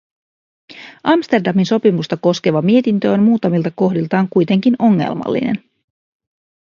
Amsterdamin sopimusta koskeva mietintö on muutamilta kohdiltaan kuitenkin ongelmallinen.